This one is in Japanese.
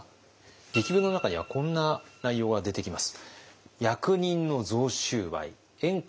檄文の中にはこんな内容が出てきます。